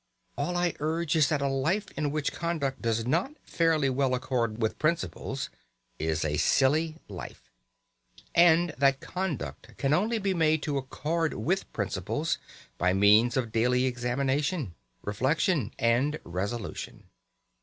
All I urge is that a life in which conduct does not fairly well accord with principles is a silly life; and that conduct can only be made to accord with principles by means of daily examination, reflection, and resolution.